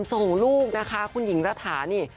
ส่งลูกนะคะคุณหญิงระถานี่